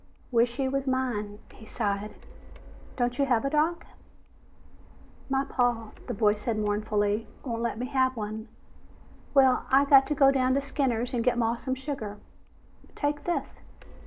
"Wish he was mine!" he sighed. "Don't you have a dog?" "My paw," the boy said mournfully, "won't let me have one. Well, I got to go down to Skinner's and get Maw some sugar." "Take this."